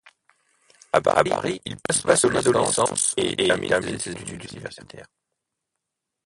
À Bari, il passe son adolescence et termine ses études universitaires.